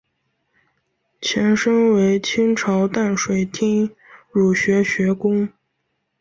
前身为清朝淡水厅儒学学宫。